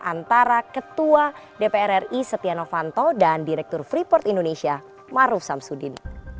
antara ketua dpr ri setia novanto dan direktur freeport indonesia maruf samsudin